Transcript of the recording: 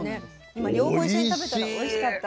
今両方一緒に食べたらおいしかった。